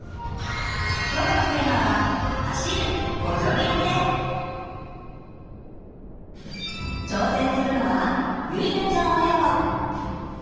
今日のテーマは挑戦するのはゆいなちゃん親子。